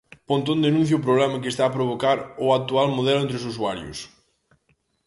Pontón denuncia o problema que está a provocar o actual modelo entre os usuarios.